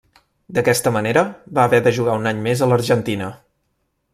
D'aquesta manera, va haver de jugar un any més a l'Argentina.